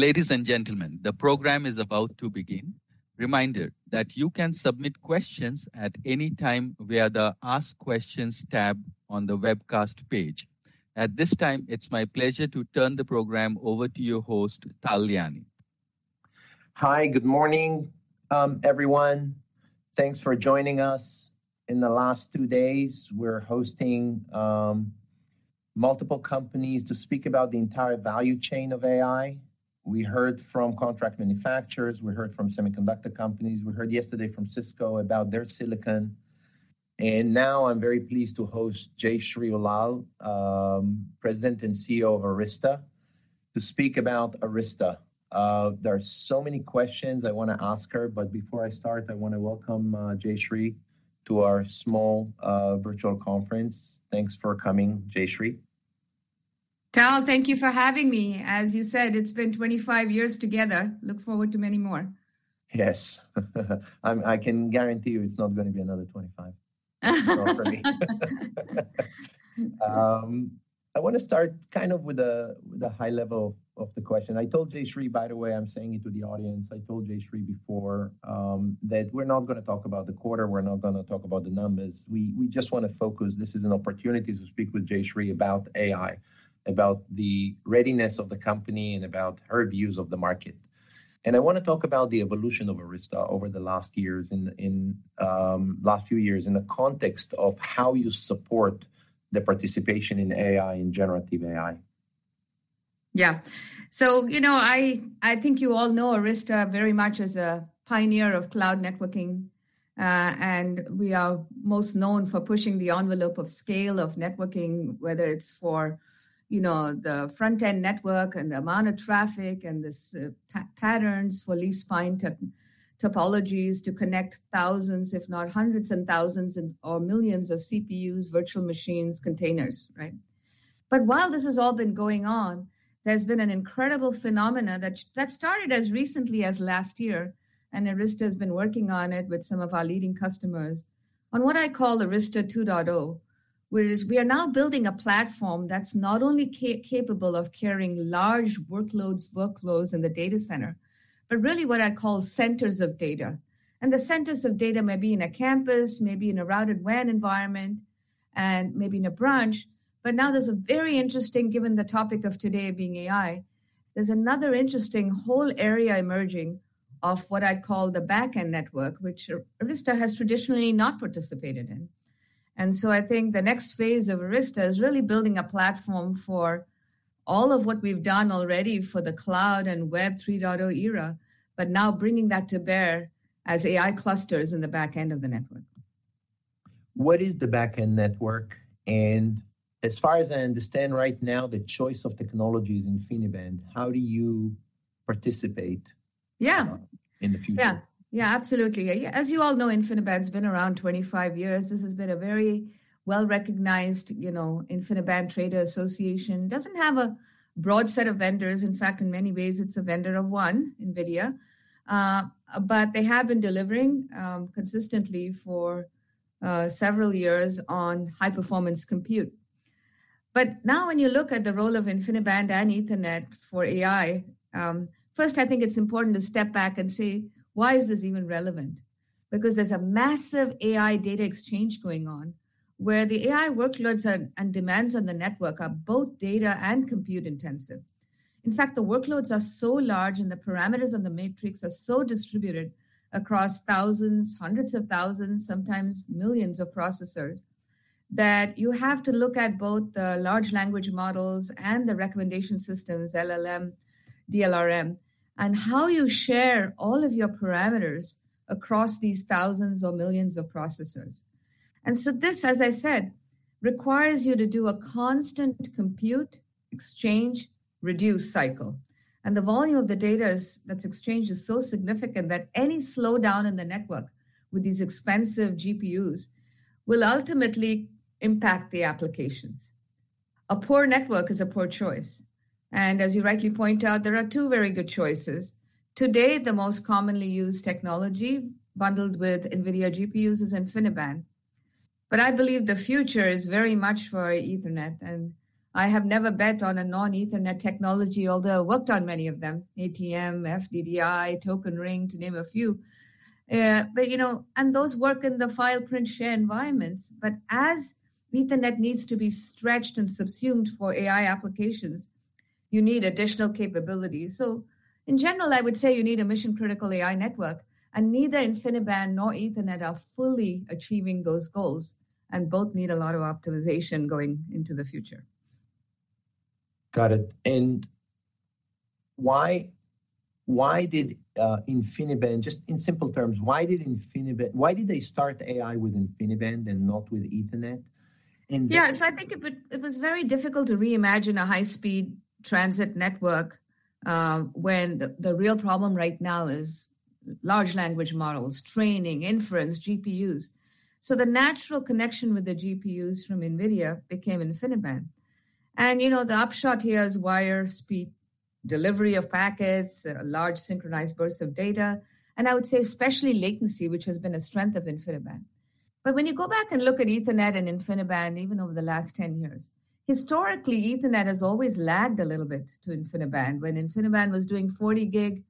Ladies and gentlemen, the program is about to begin. Reminder, that you can submit questions at any time via the Ask Questions tab on the webcast page. At this time, it's my pleasure to turn the program over to your host, Tal Liani. Hi. Good morning, everyone. Thanks for joining us. In the last two days, we're hosting multiple companies to speak about the entire value chain of AI. We heard from contract manufacturers, we heard from semiconductor companies. We heard yesterday from Cisco about their silicon, and now I'm very pleased to host Jayshree Ullal, President and CEO of Arista, to speak about Arista. There are so many questions I want to ask her, but before I start, I want to welcome Jayshree to our small virtual conference. Thanks for coming, Jayshree. Tal, thank you for having me. As you said, it's been 25 years together. Look forward to many more. Yes. I can guarantee you it's not gonna be another 25—not for me. I want to start kind of with the high level of the question. I told Jayshree, by the way, I'm saying it to the audience. I told Jayshree before that we're not gonna talk about the quarter, we're not gonna talk about the numbers. We just want to focus... This is an opportunity to speak with Jayshree about AI, about the readiness of the company, and about her views of the market. I want to talk about the evolution of Arista over the last years in last few years in the context of how you support the participation in AI, in generative AI. Yeah. So, you know, I, I think you all know Arista very much as a pioneer of cloud networking, and we are most known for pushing the envelope of scale of networking, whether it's for, you know, the front-end network and the amount of traffic and this, patterns for Leaf-Spine topologies to connect thousands, if not hundreds and thousands or millions of CPUs, virtual machines, containers, right? But while this has all been going on, there's been an incredible phenomena that started as recently as last year, and Arista has been working on it with some of our leading customers on what I call Arista 2.0, whereas we are now building a platform that's not only capable of carrying large workloads, workloads in the data center, but really what I call centers of data. The centers of data may be in a campus, may be in a routed WAN environment, and maybe in a branch. But now there's a very interesting, given the topic of today being AI, there's another interesting whole area emerging of what I call the back-end network, which Arista has traditionally not participated in. And so I think the next phase of Arista is really building a platform for all of what we've done already for the cloud and Web 3.0 era, but now bringing that to bear as AI clusters in the back end of the network. What is the back-end network? As far as I understand right now, the choice of technology is InfiniBand. How do you participate- Yeah in the future? Yeah. Yeah, absolutely. Yeah, as you all know, InfiniBand's been around 25 years. This has been a very well-recognized, you know, InfiniBand Trade Association. Doesn't have a broad set of vendors. In fact, in many ways, it's a vendor of one, NVIDIA. But they have been delivering consistently for several years on high-performance compute. But now when you look at the role of InfiniBand and Ethernet for AI, first, I think it's important to step back and say: Why is this even relevant? Because there's a massive AI data exchange going on, where the AI workloads and demands on the network are both data and compute-intensive. In fact, the workloads are so large, and the parameters of the matrix are so distributed across thousands, hundreds of thousands, sometimes millions of processors, that you have to look at both the large language models and the recommendation systems, LLM, DLRM, and how you share all of your parameters across these thousands or millions of processors. And so this, as I said, requires you to do a constant compute, exchange, reduce cycle, and the volume of the data is, that's exchanged, is so significant that any slowdown in the network with these expensive GPUs will ultimately impact the applications. A poor network is a poor choice, and as you rightly point out, there are two very good choices. Today, the most commonly used technology, bundled with NVIDIA GPUs, is InfiniBand, but I believe the future is very much for Ethernet, and I have never bet on a non-Ethernet technology, although I worked on many of them: ATM, FDDI, Token Ring, to name a few. But, you know, and those work in the file print share environments, but as Ethernet needs to be stretched and subsumed for AI applications, you need additional capabilities. So in general, I would say you need a mission-critical AI network, and neither InfiniBand nor Ethernet are fully achieving those goals, and both need a lot of optimization going into the future. Got it. And why, why did InfiniBand, just in simple terms, why did InfiniBand... Why did they start AI with InfiniBand and not with Ethernet? And- Yeah, so I think it was very difficult to reimagine a high-speed transit network, when the, the real problem right now is large language models, training, inference, GPUs. So the natural connection with the GPUs from NVIDIA became InfiniBand. And, you know, the upshot here is wire speed, delivery of packets, large synchronized bursts of data, and I would say especially latency, which has been a strength of InfiniBand. But when you go back and look at Ethernet and InfiniBand, even over the last 10 years, historically, Ethernet has always lagged a little bit to InfiniBand. When InfiniBand was doing 40G,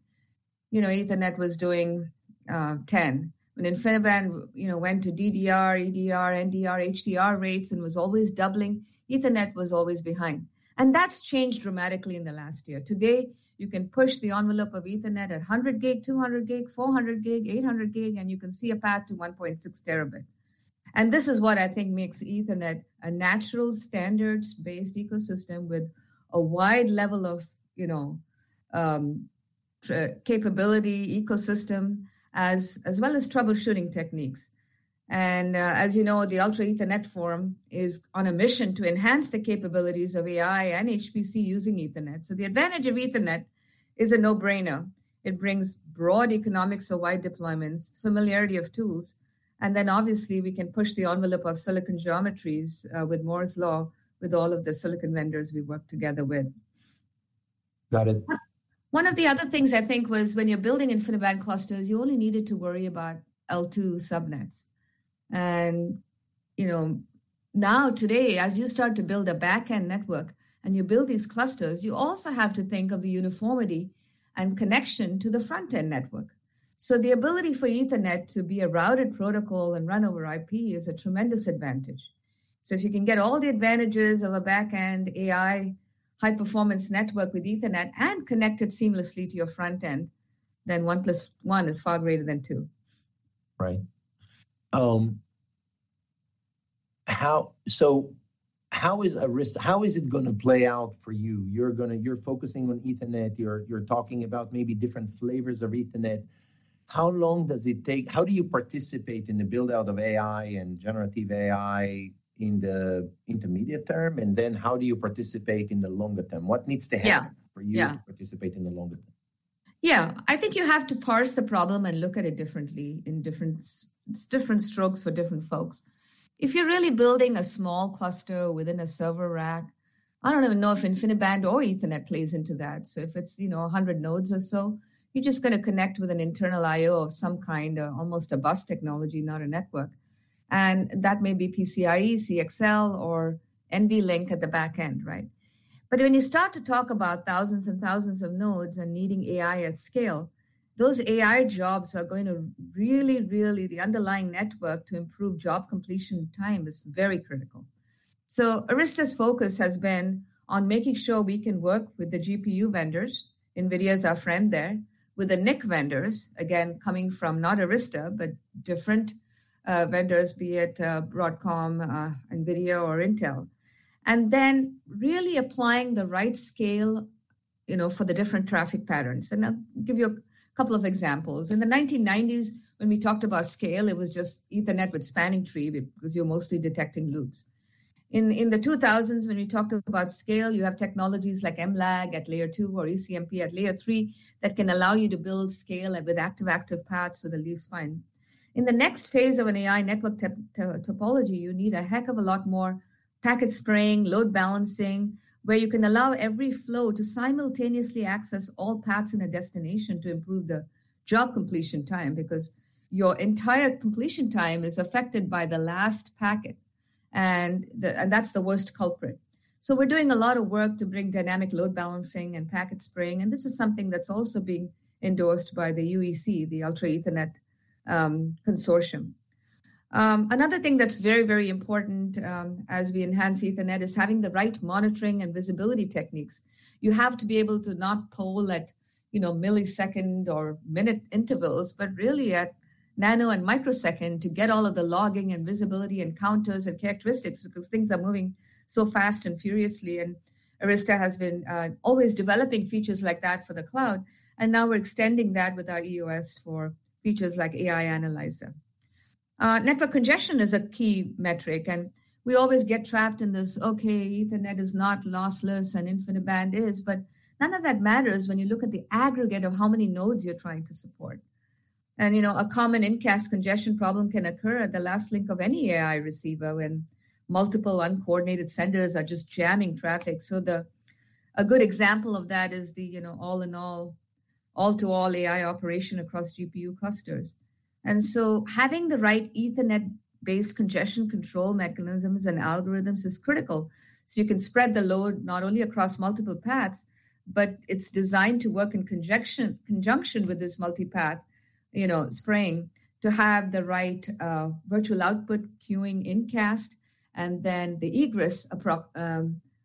you know, Ethernet was doing, 10G. When InfiniBand, you know, went to DDR, EDR, NDR, HDR rates and was always doubling, Ethernet was always behind, and that's changed dramatically in the last year. Today, you can push the envelope of Ethernet at 100G, 200G, 400G, 800G, and you can see a path to 1.6T. This is what I think makes Ethernet a natural, standards-based ecosystem with a wide level of, you know, capability ecosystem as well as troubleshooting techniques. As you know, the Ultra Ethernet form is on a mission to enhance the capabilities of AI and HPC using Ethernet. The advantage of Ethernet is a no-brainer. It brings broad economics to wide deployments, familiarity of tools, and then obviously we can push the envelope of silicon geometries with Moore's Law, with all of the silicon vendors we work together with. Got it. One of the other things I think was when you're building InfiniBand clusters, you only needed to worry about L2 subnets. You know, now today, as you start to build a back-end network and you build these clusters, you also have to think of the uniformity and connection to the front-end network. The ability for Ethernet to be a routed protocol and run over IP is a tremendous advantage. If you can get all the advantages of a back-end AI high-performance network with Ethernet and connect it seamlessly to your front end, then one plus one is far greater than two. Right. So how is Arista - how is it gonna play out for you? You're gonna - you're focusing on Ethernet. You're, you're talking about maybe different flavors of Ethernet. How long does it take? How do you participate in the build-out of AI and generative AI in the intermediate term, and then how do you participate in the longer term? What needs to happen - Yeah, yeah for you to participate in the longer term? Yeah. I think you have to parse the problem and look at it differently in different—it's different strokes for different folks. If you're really building a small cluster within a server rack, I don't even know if InfiniBand or Ethernet plays into that. So if it's, you know, 100 nodes or so, you're just gonna connect with an internal IO of some kind, or almost a bus technology, not a network. And that may be PCIe, CXL, or NVLink at the back end, right? But when you start to talk about thousands and thousands of nodes and needing AI at scale, those AI jobs are going to really, really, the underlying network to improve job completion time is very critical. So Arista's focus has been on making sure we can work with the GPU vendors, NVIDIA is our friend there, with the NIC vendors, again, coming from not Arista, but different vendors, be it Broadcom, NVIDIA or Intel. And then really applying the right scale, you know, for the different traffic patterns. And I'll give you a couple of examples. In the 1990s, when we talked about scale, it was just Ethernet with Spanning Tree because you're mostly detecting loops. In the 2000s, when we talked about scale, you have technologies like MLAG at layer 2 or ECMP at layer 3, that can allow you to build scale and with active, active paths with the Leaf-Spine. In the next phase of an AI network topology, you need a heck of a lot more packet spraying, load balancing, where you can allow every flow to simultaneously access all paths in a destination to improve the job completion time, because your entire completion time is affected by the last packet, and that's the worst culprit. So we're doing a lot of work to bring dynamic load balancing and packet spraying, and this is something that's also being endorsed by the UEC, the Ultra Ethernet Consortium. Another thing that's very, very important, as we enhance Ethernet, is having the right monitoring and visibility techniques. You have to be able to not poll at, you know, millisecond or minute intervals, but really at nano and microsecond to get all of the logging and visibility and counters and characteristics, because things are moving so fast and furiously, and Arista has been always developing features like that for the cloud, and now we're extending that with our EOS for features like AI Analyzer. Network congestion is a key metric, and we always get trapped in this, "Okay, Ethernet is not lossless and InfiniBand is," but none of that matters when you look at the aggregate of how many nodes you're trying to support. And, you know, a common incast congestion problem can occur at the last link of any AI receiver when multiple uncoordinated senders are just jamming traffic. So a good example of that is the, you know, all-in-all, all-to-all AI operation across GPU clusters. And so having the right Ethernet-based congestion control mechanisms and algorithms is critical, so you can spread the load not only across multiple paths, but it's designed to work in conjunction with this multipath, you know, spraying, to have the right virtual output queuing incast, and then the egress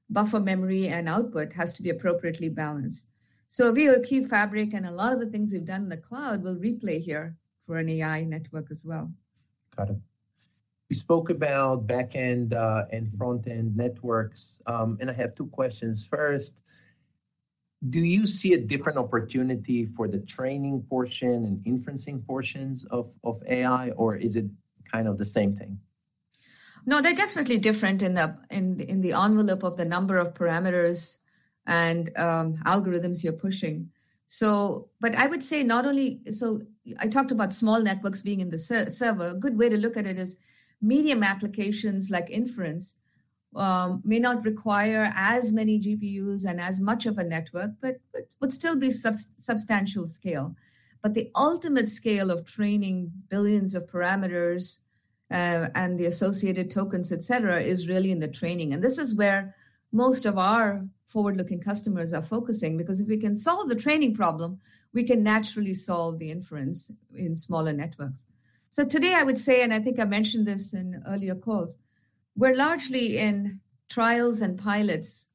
buffer memory and output has to be appropriately balanced. So VOQ Fabric and a lot of the things we've done in the cloud will replay here for an AI network as well. Got it. We spoke about back-end and front-end networks, and I have two questions. First, do you see a different opportunity for the training portion and inferencing portions of AI, or is it kind of the same thing? No, they're definitely different in the envelope of the number of parameters and algorithms you're pushing. But I would say not only. So I talked about small networks being in the server. A good way to look at it is medium applications like inference may not require as many GPUs and as much of a network, but would still be substantial scale. But the ultimate scale of training billions of parameters and the associated tokens, et cetera, is really in the training, and this is where most of our forward-looking customers are focusing. Because if we can solve the training problem, we can naturally solve the inference in smaller networks. So today, I would say, and I think I mentioned this in earlier calls, we're largely in trials and pilots,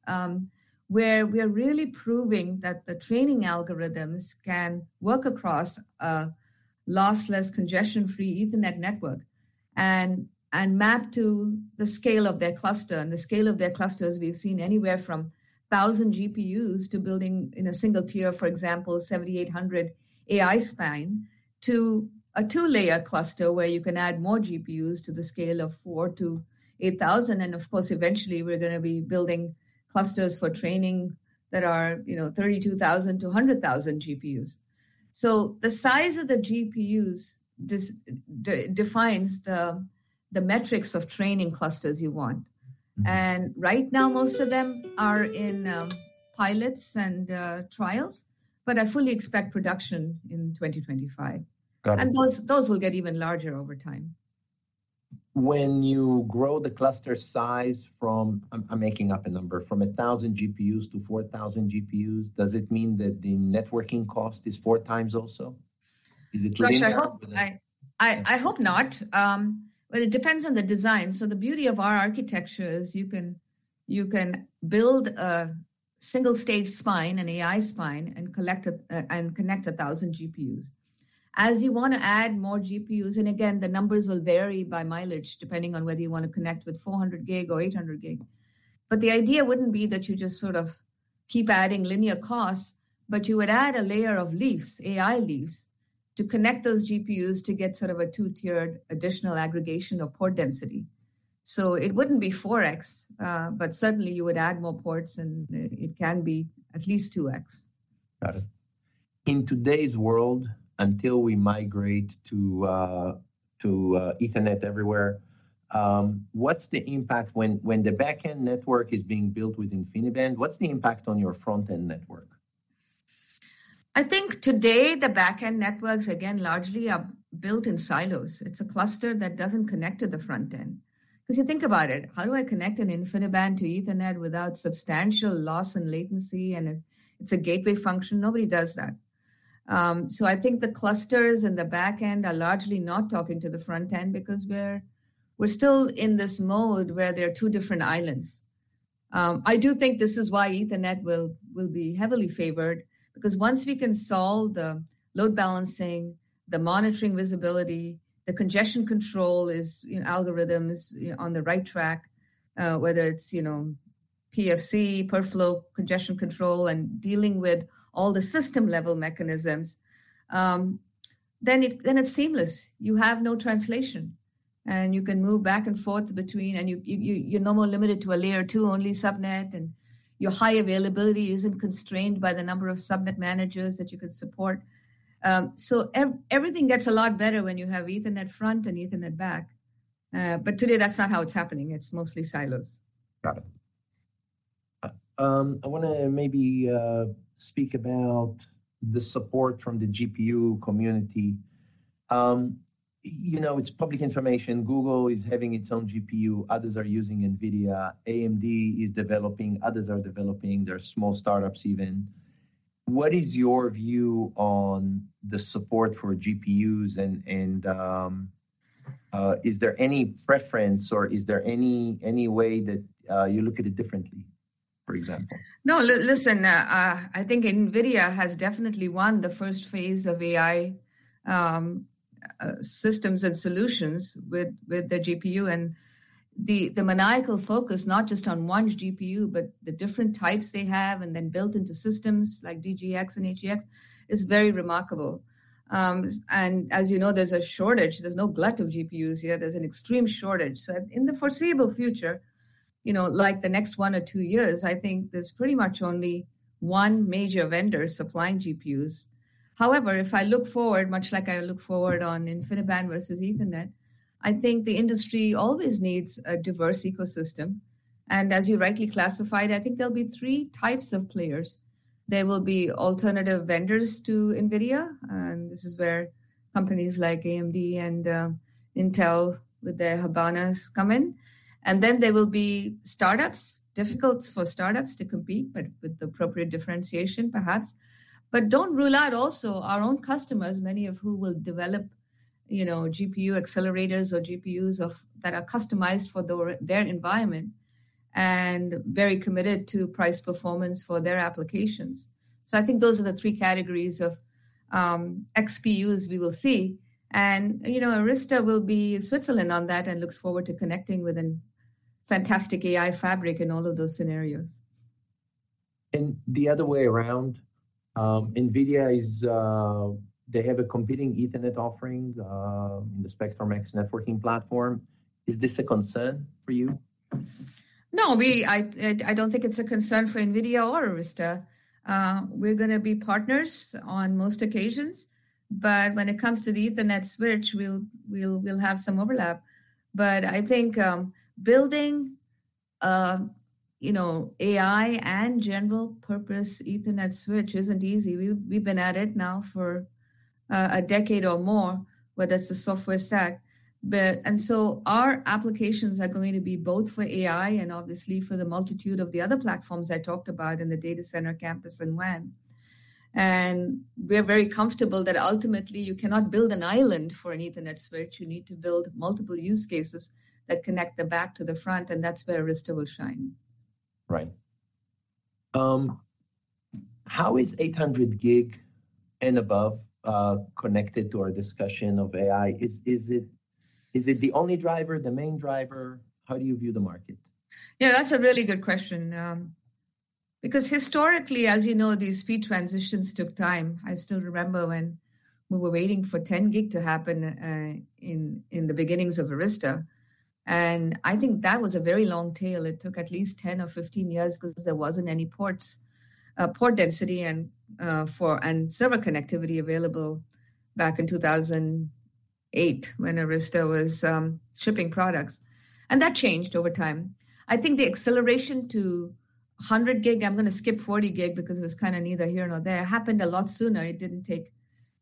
where we are really proving that the training algorithms can work across a lossless, congestion-free Ethernet network and map to the scale of their cluster. And the scale of their clusters we've seen anywhere from 1,000 GPUs to building in a single tier, for example, 7,800 AI Spine, to a two-layer cluster, where you can add more GPUs to the scale of 4,000-8,000. And of course, eventually, we're gonna be building clusters for training that are, you know, 32,000-100,000 GPUs. So the size of the GPUs defines the metrics of training clusters you want. Mm. Right now, most of them are in pilots and trials, but I fully expect production in 2025. Got it. And those will get even larger over time. When you grow the cluster size from... I'm making up a number, from 1,000 GPUs to 4,000 GPUs, does it mean that the networking cost is 4x also? Is it linear- Josh, I hope I, I hope not. But it depends on the design. So the beauty of our architecture is you can, you can build a single-stage spine, an AI Spine, and collect and connect 1,000 GPUs. As you wanna add more GPUs, and again, the numbers will vary by mileage, depending on whether you wanna connect with 400G or 800G. But the idea wouldn't be that you just sort of keep adding linear costs, but you would add a layer of leaves, AI leaves, to connect those GPUs to get sort of a two-tiered additional aggregation or port density. So it wouldn't be 4x, but certainly you would add more ports, and it can be at least 2x. Got it. In today's world, until we migrate to Ethernet everywhere, what's the impact when the backend network is being built with InfiniBand, what's the impact on your front-end network? I think today the backend networks, again, largely are built in silos. It's a cluster that doesn't connect to the front end. 'Cause you think about it, how do I connect an InfiniBand to Ethernet without substantial loss and latency, and it's a gateway function? Nobody does that. So I think the clusters in the back end are largely not talking to the front end because we're still in this mode where there are two different islands. I do think this is why Ethernet will be heavily favored, because once we can solve the load balancing, the monitoring visibility, the congestion control algorithm is, you know, on the right track, whether it's, you know, PFC, per flow congestion control, and dealing with all the system-level mechanisms, then it's seamless. You have no translation, and you can move back and forth between... And you, you're no more limited to a layer 2 only subnet, and your high availability isn't constrained by the number of subnet managers that you can support. So everything gets a lot better when you have Ethernet front and Ethernet back. But today, that's not how it's happening. It's mostly silos. Got it. I wanna maybe speak about the support from the GPU community. You know, it's public information. Google is having its own GPU. Others are using NVIDIA. AMD is developing, others are developing. There are small startups even. What is your view on the support for GPUs, and is there any preference, or is there any way that you look at it differently, for example? No, listen, I think NVIDIA has definitely won the first phase of AI, systems and solutions with the GPU and the maniacal focus, not just on one GPU, but the different types they have, and then built into systems like DGX and HGX is very remarkable. And as you know, there's a shortage. There's no glut of GPUs here. There's an extreme shortage. So in the foreseeable future, you know, like the next one or two years, I think there's pretty much only one major vendor supplying GPUs. However, if I look forward, much like I look forward on InfiniBand versus Ethernet, I think the industry always needs a diverse ecosystem. And as you rightly classified, I think there'll be three types of players. There will be alternative vendors to NVIDIA, and this is where companies like AMD and Intel, with their Habana, come in. Then there will be startups. Difficult for startups to compete, but with the appropriate differentiation, perhaps. Don't rule out also our own customers, many of who will develop, you know, GPU accelerators or GPUs of... that are customized for their, their environment and very committed to price performance for their applications. So I think those are the three categories of XPUs we will see. You know, Arista will be Switzerland on that and looks forward to connecting with a fantastic AI fabric in all of those scenarios. The other way around, NVIDIA is they have a competing Ethernet offering in the Spectrum-X networking platform. Is this a concern for you? No, I don't think it's a concern for NVIDIA or Arista. We're gonna be partners on most occasions, but when it comes to the Ethernet switch, we'll have some overlap. But I think building, you know, AI and general purpose Ethernet switch isn't easy. We've been at it now for a decade or more, whether it's a software stack. But and so our applications are going to be both for AI and obviously for the multitude of the other platforms I talked about in the data center campus and WAN. And we are very comfortable that ultimately you cannot build an island for an Ethernet switch, you need to build multiple use cases that connect the back to the front, and that's where Arista will shine. Right. How is 800G and above connected to our discussion of AI? Is it the only driver, the main driver? How do you view the market? Yeah, that's a really good question, because historically, as you know, these speed transitions took time. I still remember when we were waiting for 10G to happen in the beginnings of Arista, and I think that was a very long tail. It took at least 10 or 15 years because there wasn't any ports, port density and server connectivity available back in 2008 when Arista was shipping products, and that changed over time. I think the acceleration to 100G, I'm going to skip 40G because it was kind of neither here nor there, happened a lot sooner. It didn't take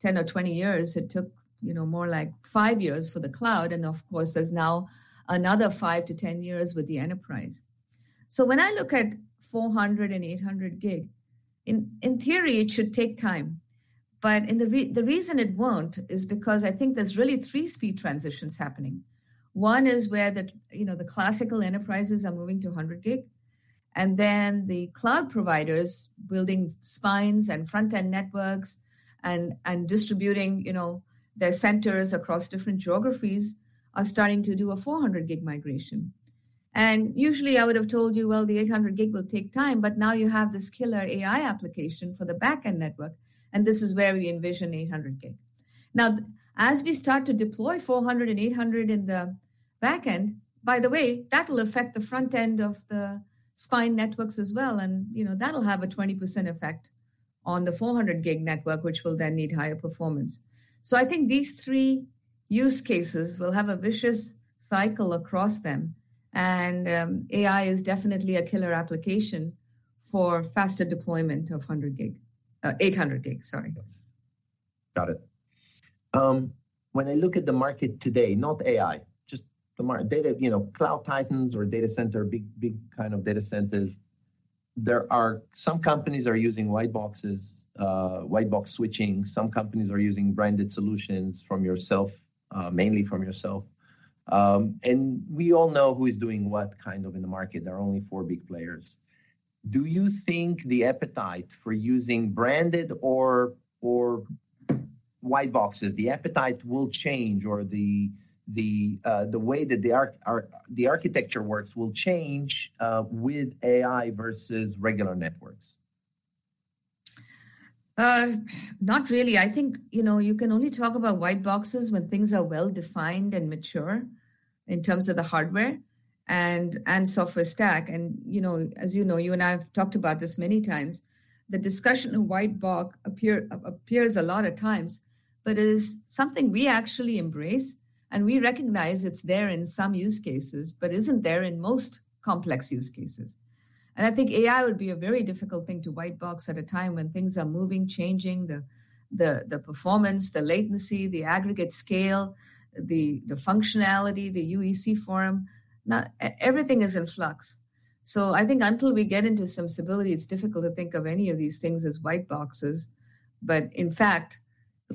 10 or 20 years. It took, you know, more like five years for the cloud, and of course, there's now another five to 10 years with the enterprise. So when I look at 400G and 800G, in theory, it should take time, but the reason it won't is because I think there's really three speed transitions happening. One is where the, you know, the classical enterprises are moving to 100G, and then the cloud providers building spines and front-end networks and distributing, you know, their centers across different geographies, are starting to do a 400G migration. And usually I would have told you, "Well, the 800G will take time," but now you have this killer AI application for the back-end network, and this is where we envision 800G. Now, as we start to deploy 400G and 800G in the back end, by the way, that will affect the front end of the spine networks as well, and, you know, that'll have a 20% effect on the 400G network, which will then need higher performance. So I think these three use cases will have a vicious cycle across them, and AI is definitely a killer application for faster deployment of 100G, 800G, sorry. Got it. When I look at the market today, not AI, just the market data, you know, cloud titans or data center, big, big kind of data centers, there are some companies are using white boxes, white box switching, some companies are using branded solutions from yourself, mainly from yourself. And we all know who is doing what kind of in the market, there are only four big players. Do you think the appetite for using branded or white boxes, the appetite will change or the way that the architecture works will change with AI versus regular networks? Not really. I think, you know, you can only talk about white boxes when things are well-defined and mature in terms of the hardware and software stack. And, you know, as you know, you and I have talked about this many times, the discussion of white box appears a lot of times, but it is something we actually embrace, and we recognize it's there in some use cases, but isn't there in most complex use cases. And I think AI would be a very difficult thing to white box at a time when things are moving, changing the performance, the latency, the aggregate scale, the functionality, the UEC forum, not everything is in flux. So I think until we get into some stability, it's difficult to think of any of these things as white boxes, but in fact,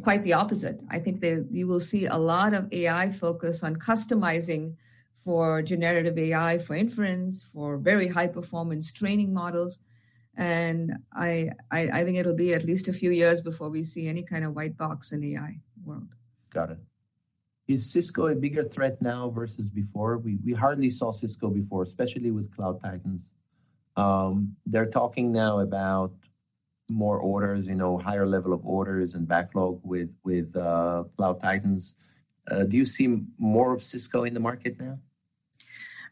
quite the opposite. I think you will see a lot of AI focus on customizing for generative AI, for inference, for very high-performance training models, and I think it'll be at least a few years before we see any kind of white box in the AI world. Got it. Is Cisco a bigger threat now versus before? We hardly saw Cisco before, especially with cloud titans. They're talking now about more orders, you know, higher level of orders and backlog with cloud titans. Do you see more of Cisco in the market now?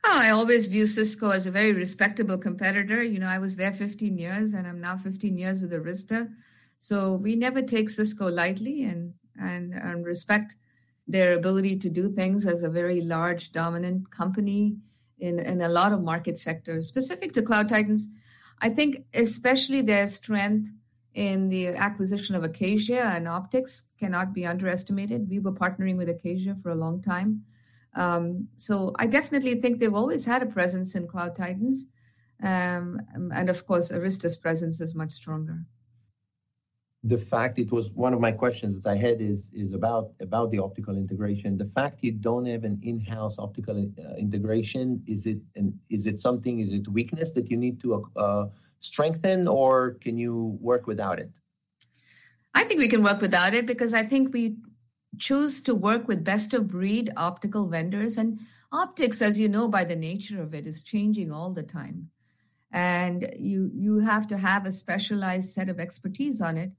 Oh, I always view Cisco as a very respectable competitor. You know, I was there 15 years, and I'm now 15 years with Arista, so we never take Cisco lightly and respect their ability to do things as a very large, dominant company in a lot of market sectors. Specific to cloud titans, I think especially their strength in the acquisition of Acacia and Optics cannot be underestimated. We were partnering with Acacia for a long time. So I definitely think they've always had a presence in cloud titans. And of course, Arista's presence is much stronger. The fact it was one of my questions that I had is about the optical integration. The fact you don't have an in-house optical integration, is it something, is it a weakness that you need to strengthen, or can you work without it? I think we can work without it because I think we choose to work with best-of-breed optical vendors. Optics, as you know, by the nature of it, is changing all the time, and you have to have a specialized set of expertise on it.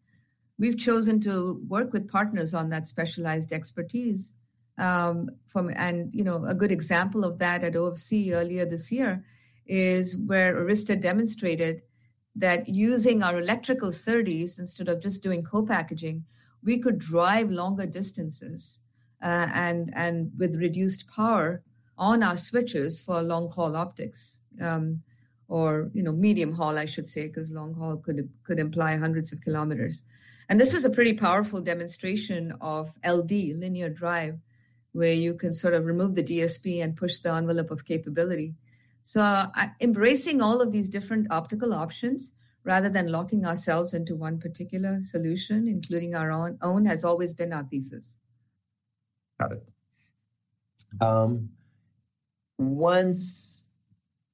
We've chosen to work with partners on that specialized expertise. And, you know, a good example of that at OFC earlier this year is where Arista demonstrated that using our electrical SerDes instead of just doing co-packaging, we could drive longer distances, and with reduced power on our switches for long-haul optics, or, you know, medium-haul, I should say, 'cause long-haul could imply hundreds of kilometers. And this was a pretty powerful demonstration of LD, Linear Drive, where you can sort of remove the DSP and push the envelope of capability. Embracing all of these different optical options rather than locking ourselves into one particular solution, including our own, has always been our thesis. Got it. Once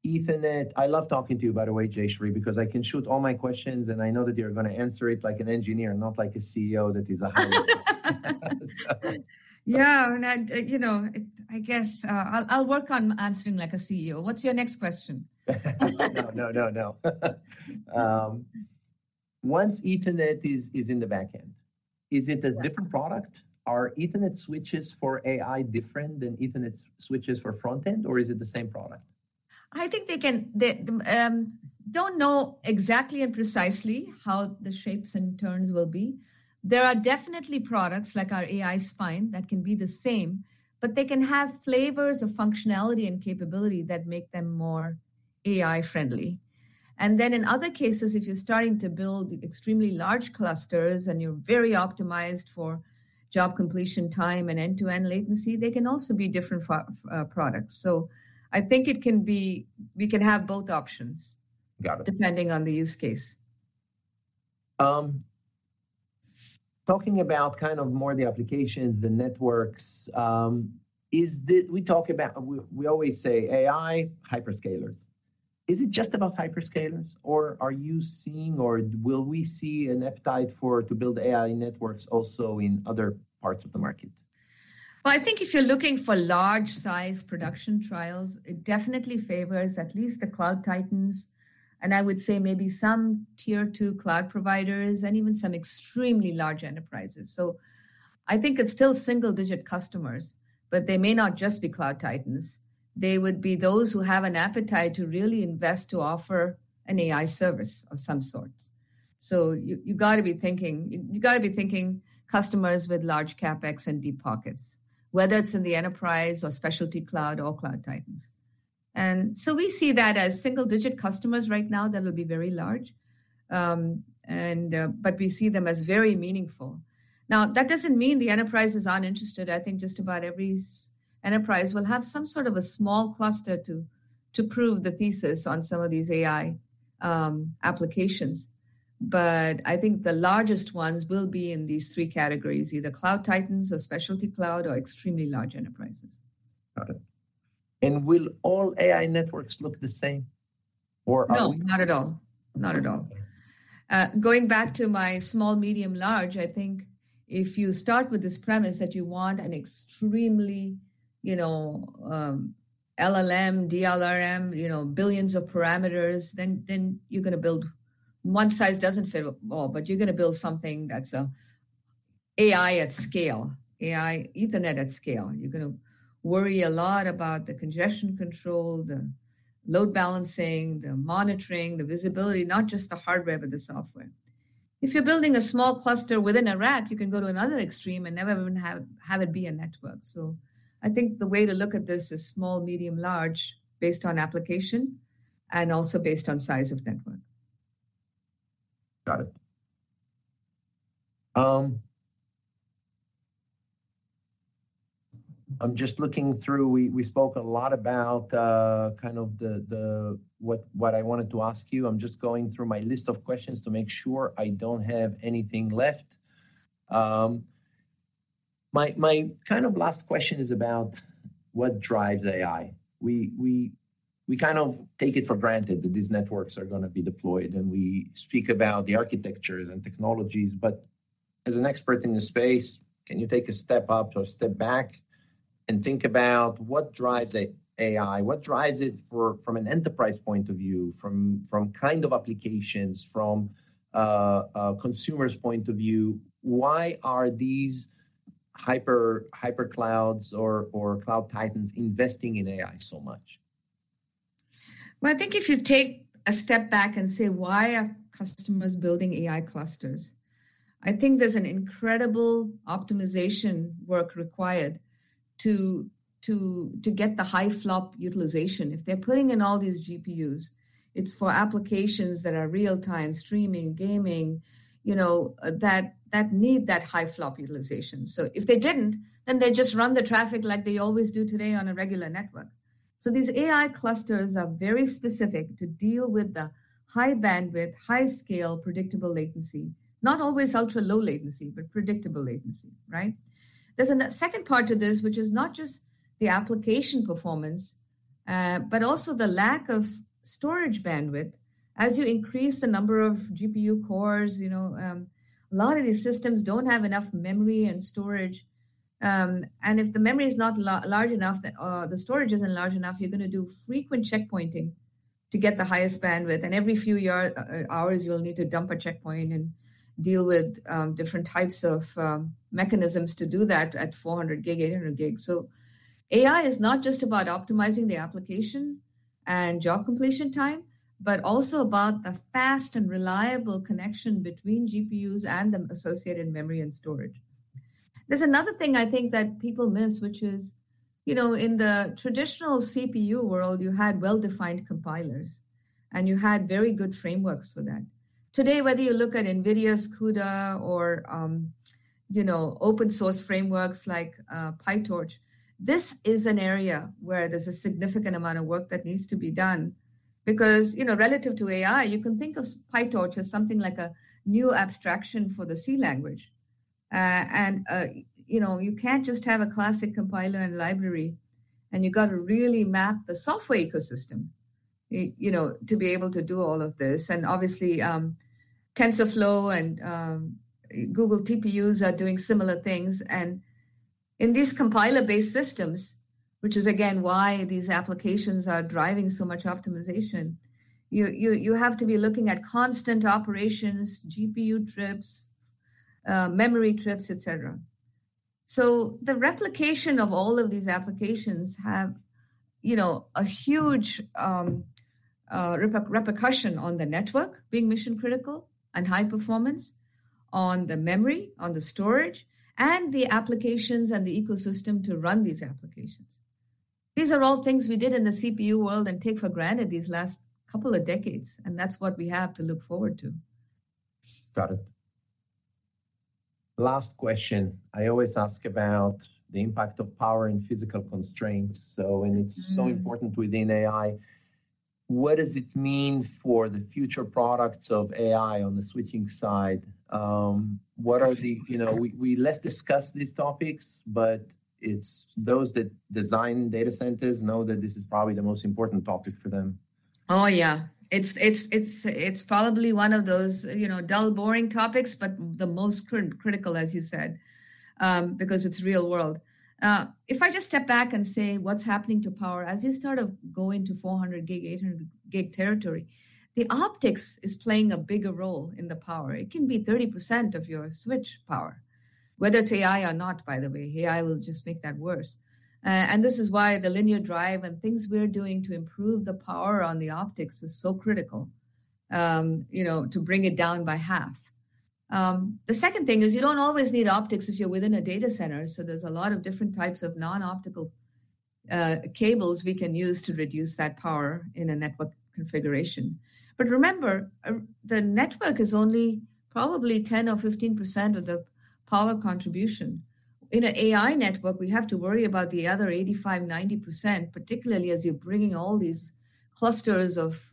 Ethernet... I love talking to you, by the way, Jayshree, because I can shoot all my questions, and I know that you're gonna answer it like an engineer, not like a CEO that is a hire. Yeah, you know, it – I guess, I'll work on answering like a CEO. What's your next question? No, no, no, no. Once Ethernet is in the back end, is it- Yeah... a different product? Are Ethernet switches for AI different than Ethernet switches for front end, or is it the same product? I think they can, they don't know exactly and precisely how the shapes and turns will be. There are definitely products like our AI Spine that can be the same, but they can have flavors of functionality and capability that make them more AI-friendly. And then, in other cases, if you're starting to build extremely large clusters, and you're very optimized for job completion time and end-to-end latency, they can also be different products. So I think it can be... we can have both options- Got it... depending on the use case. Talking about kind of more the applications, the networks, is the—we talk about... We, we always say AI hyperscalers. Is it just about hyperscalers, or are you seeing, or will we see an appetite for, to build AI networks also in other parts of the market? Well, I think if you're looking for large-size production trials, it definitely favors at least the cloud titans, and I would say maybe some tier two cloud providers and even some extremely large enterprises. So I think it's still single-digit customers, but they may not just be cloud titans. They would be those who have an appetite to really invest to offer an AI service of some sort. So you gotta be thinking, you gotta be thinking customers with large CapEx and deep pockets, whether it's in the enterprise or specialty cloud or cloud titans. And so we see that as single-digit customers right now, that will be very large and but we see them as very meaningful. Now, that doesn't mean the enterprises aren't interested. I think just about every enterprise will have some sort of a small cluster to prove the thesis on some of these AI applications. But I think the largest ones will be in these three categories: either cloud titans or specialty cloud or extremely large enterprises. Got it. Will all AI networks look the same, or are we- No, not at all. Not at all. Going back to my small, medium, large, I think if you start with this premise that you want an extremely, you know, LLM, DLRM, you know, billions of parameters, then, then you're gonna build... One size doesn't fit all, but you're gonna build something that's a AI at scale, AI Ethernet at scale. You're gonna worry a lot about the congestion control, the load balancing, the monitoring, the visibility, not just the hardware, but the software. If you're building a small cluster within a rack, you can go to another extreme and never even have it be a network. So I think the way to look at this is small, medium, large, based on application and also based on size of network. Got it. I'm just looking through. We spoke a lot about kind of what I wanted to ask you. I'm just going through my list of questions to make sure I don't have anything left. My kind of last question is about what drives AI. We kind of take it for granted that these networks are gonna be deployed, and we speak about the architectures and technologies, but as an expert in the space, can you take a step up or step back and think about what drives a AI? What drives it from an enterprise point of view, from kind of applications, from a consumer's point of view, why are these hyperclouds or cloud titans investing in AI so much? Well, I think if you take a step back and say: Why are customers building AI clusters? I think there's an incredible optimization work required to get the high flop utilization. If they're putting in all these GPUs, it's for applications that are real-time, streaming, gaming, you know, that need that high flop utilization. So if they didn't, then they'd just run the traffic like they always do today on a regular network. So these AI clusters are very specific to deal with the high bandwidth, high scale, predictable latency. Not always ultra-low latency, but predictable latency, right? There's a second part to this, which is not just the application performance, but also the lack of storage bandwidth. As you increase the number of GPU cores, you know, a lot of these systems don't have enough memory and storage, and if the memory is not large enough, or the storage isn't large enough, you're gonna do frequent checkpointing to get the highest bandwidth. And every few year, hours, you'll need to dump a checkpoint and deal with different types of mechanisms to do that at 400G, 800G. So AI is not just about optimizing the application and job completion time, but also about the fast and reliable connection between GPUs and the associated memory and storage. There's another thing I think that people miss, which is, you know, in the traditional CPU world, you had well-defined compilers, and you had very good frameworks for that. Today, whether you look at NVIDIA's CUDA or, you know, open source frameworks like PyTorch, this is an area where there's a significant amount of work that needs to be done because, you know, relative to AI, you can think of PyTorch as something like a new abstraction for the C language. And you know, you can't just have a classic compiler and library, and you've got to really map the software ecosystem, you know, to be able to do all of this. And obviously, TensorFlow and Google TPUs are doing similar things. And in these compiler-based systems, which is again, why these applications are driving so much optimization, you have to be looking at constant operations, GPU trips, memory trips, et cetera. So the replication of all of these applications have, you know, a huge, repercussion on the network being mission-critical and high performance, on the memory, on the storage, and the applications and the ecosystem to run these applications. These are all things we did in the CPU world and take for granted these last couple of decades, and that's what we have to look forward to. Got it. Last question, I always ask about the impact of power and physical constraints, so- Mm-hmm. and it's so important within AI. What does it mean for the future products of AI on the switching side? What are the... You know, we less discuss these topics, but it's those that design data centers know that this is probably the most important topic for them. Oh, yeah. It's probably one of those, you know, dull, boring topics, but the most critical, as you said, because it's real world. If I just step back and say what's happening to power, as you start of going to 400G, 800G territory, the optics is playing a bigger role in the power. It can be 30% of your switch power, whether it's AI or not, by the way. AI will just make that worse. And this is why the Linear Drive and things we're doing to improve the power on the optics is so critical, you know, to bring it down by half. The second thing is you don't always need optics if you're within a data center, so there's a lot of different types of non-optical cables we can use to reduce that power in a network configuration. But remember, the network is only probably 10% or 15% of the power contribution. In an AI network, we have to worry about the other 85%-90%, particularly as you're bringing all these clusters of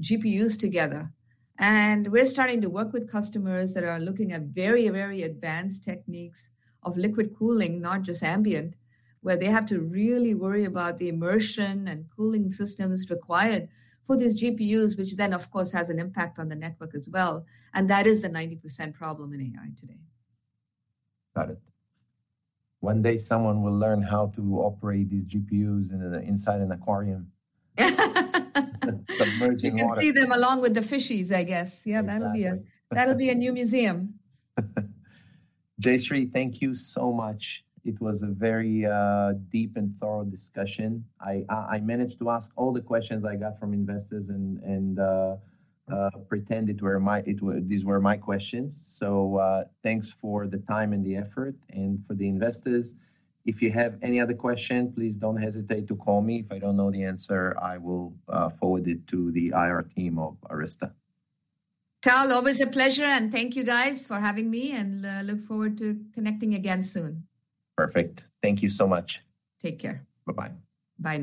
GPUs together. And we're starting to work with customers that are looking at very, very advanced techniques of liquid cooling, not just ambient, where they have to really worry about the immersion and cooling systems required for these GPUs, which then, of course, has an impact on the network as well, and that is the 90% problem in AI today. Got it. One day someone will learn how to operate these GPUs inside an aquarium. Submerged in water. You can see them along with the fishies, I guess. Yeah- Exactly. That'll be a new museum. Jayshree, thank you so much. It was a very deep and thorough discussion. I managed to ask all the questions I got from investors and pretend it were my... it were—these were my questions. So, thanks for the time and the effort, and for the investors, if you have any other question, please don't hesitate to call me. If I don't know the answer, I will forward it to the IR team of Arista. Tal, always a pleasure, and thank you guys for having me, and look forward to connecting again soon. Perfect. Thank you so much. Take care. Bye-bye. Bye.